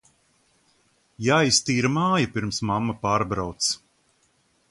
Jāiztīra māja, pirms mamma pārbrauc.